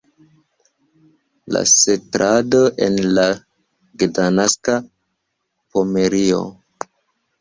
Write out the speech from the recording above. La setlado en la Gdanska Pomerio.